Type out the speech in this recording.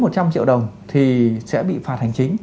trị giá dưới một trăm linh triệu đồng thì sẽ bị phạt hành chính